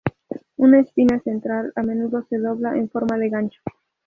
Una espina central a menudo se dobla en forma de gancho.